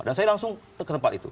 dan saya langsung ke tempat itu